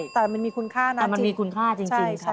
แต่มันมีคุณค่าจริงครับ